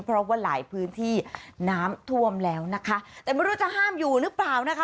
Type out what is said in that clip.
เพราะว่าหลายพื้นที่น้ำท่วมแล้วนะคะแต่ไม่รู้จะห้ามอยู่หรือเปล่านะคะ